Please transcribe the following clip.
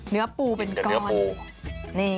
เนื้อปูเป็นก้อน